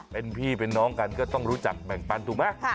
เป็นพี่เป็นน้องกันก็ต้องรู้จักแบ่งปันถูกไหม